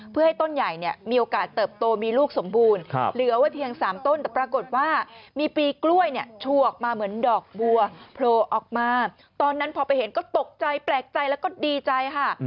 แปลกใจแล้วก็ดีใจค่ะ